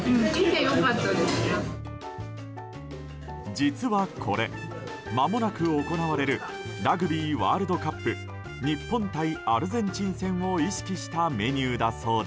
実はこれ、まもなく行われるラグビーワールドカップ日本対アルゼンチン戦を意識したメニューだそうで。